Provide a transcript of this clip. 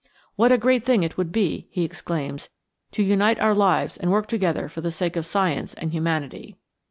"What a great thing it would be," he exclaims, "to unite our lives and work together for the sake of science and humanity."